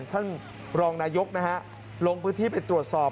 ท่านรองนายกลงพื้นที่ไปตรวจสอบ